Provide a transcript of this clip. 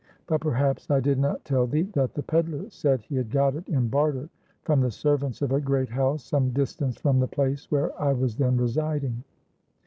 But perhaps I did not tell thee, that the pedler said he had got it in barter from the servants of a great house some distance from the place where I was then residing."